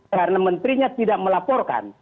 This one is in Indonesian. karena menterinya tidak melaporkan